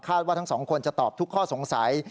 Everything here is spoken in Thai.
คาดว่าทั้ง๒คนจะตอบทุกข้อสงสัย